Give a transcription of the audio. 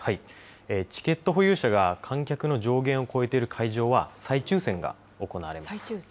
チケット保有者が観客の上限を超えている会場は、再抽せんが行われます。